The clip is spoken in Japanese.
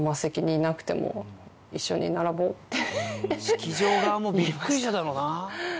式場側もビックリしただろうな。